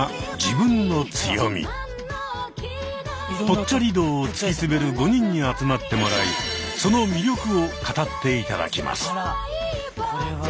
ぽっちゃり道を突き詰める５人に集まってもらいその魅力を語って頂きます。